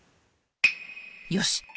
よし！